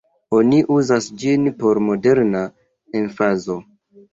Oni uzas ĝin por modera emfazo.